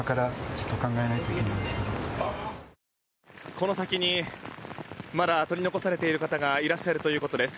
この先にまだ取り残されている方がいらっしゃるということです。